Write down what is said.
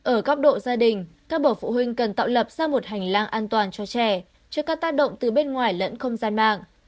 ở góc độ gia đình các bậc phụ huynh cần tạo lập ra một hành lang an toàn cho trẻ trước các tác động từ bên ngoài lẫn không gian mạng